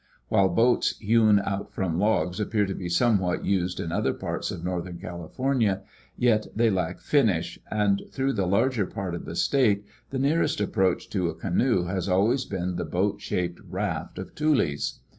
While boats hewn out from logs appear to be somewhat used in other parts of northern California, yet they lack finish, and through the larger part of the state the nearest approach to a canoe has always been the boat shaped raft of tules.